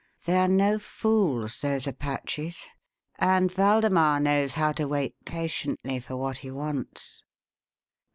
They are no fools, those Apaches; and Waldemar knows how to wait patiently for what he wants."